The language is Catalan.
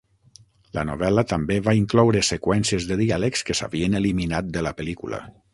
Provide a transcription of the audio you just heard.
La novel·la també va incloure seqüències de diàlegs que s'havien eliminat de la pel·lícula.